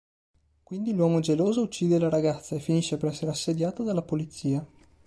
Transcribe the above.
Quindi l'uomo geloso uccide la ragazza, e finisce per essere assediato dalla polizia.